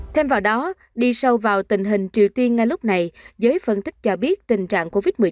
thêm vào đó đi sâu vào tình hình triều tiên ngay lúc này giới phân tích cho biết tình trạng covid một mươi chín